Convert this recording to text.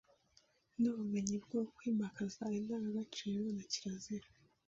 n’ubumenyi bwo kwimakaza indangagaciro na kirazira